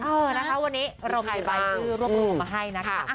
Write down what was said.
วันนี้เรามาให้ร่วมรูปรูปมาให้นะค่ะ